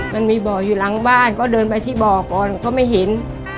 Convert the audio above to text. มันมีบ่ออยู่หลังบ้านเขาเดินไปที่บ่อก่อนเขาไม่เห็น